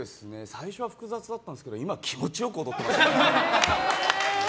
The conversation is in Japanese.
最初は複雑だったんですけど今は気持ち良く踊ってます。